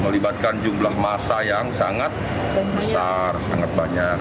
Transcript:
melibatkan jumlah masa yang sangat besar sangat banyak